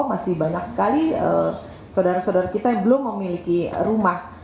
masih banyak sekali saudara saudara kita yang belum memiliki rumah